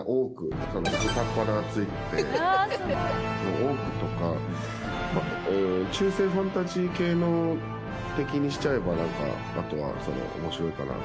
オークとか中世ファンタジー系の敵にしちゃえばなんかあとは面白いかなと。